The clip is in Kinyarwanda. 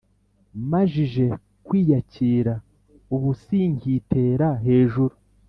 Majije ku iyakira ubu sinkitera hejuru